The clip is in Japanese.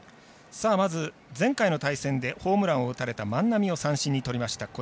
まず前回の対戦でホームランを打たれた万波を三振にとりました